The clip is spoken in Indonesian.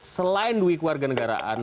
selain duit warga negaraan